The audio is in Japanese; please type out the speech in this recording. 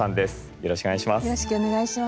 よろしくお願いします。